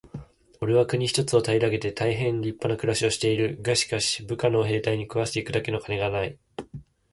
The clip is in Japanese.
「おれは国一つを平げて大へん立派な暮しをしている。がしかし、部下の兵隊に食わして行くだけの金がない。」